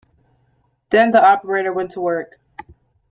Then the operator went to work.